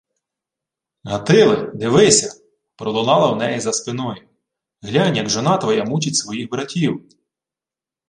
— Гатиле! Дивися! — пролунало в неї. за спиною. — Глянь, як жона твоя мучить своїх братів!